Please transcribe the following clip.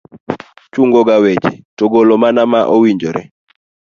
chungo ga weche to golo mana ma owinjore